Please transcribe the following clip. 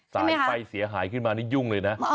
ใช่ไหมคะโดนแบบสายไฟเสียหายขึ้นมานี่ยุ่งเลยนะ